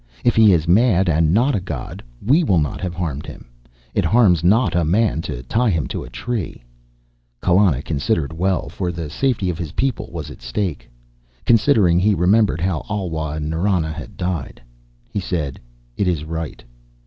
If he is mad and not a god, we will not have harmed him. It harms not a man to tie him to a tree." Kallana considered well, for the safety of his people was at stake. Considering, he remembered how Alwa and Nrana had died. He said, "It is right."